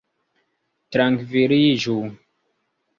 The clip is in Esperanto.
trankviliĝu